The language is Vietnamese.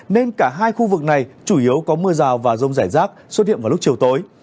nên cả hai khu vực này chủ yếu có mưa rào và rông rải rác xuất hiện vào lúc chiều tối